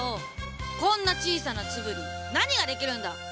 こんな小さな粒に何ができるんだ！